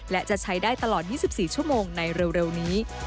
และจะใช้ได้ตลอด๒๔ชั่วโมงในเร็วนี้